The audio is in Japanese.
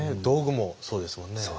道具もそうですもんね。